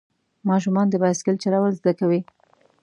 ماشومان د بایسکل چلول زده کوي.